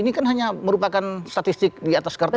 ini kan hanya merupakan statistik di atas kertas